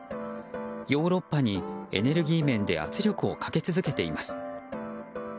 ヨーロッパにエネルギー面で圧力をかけ続けています。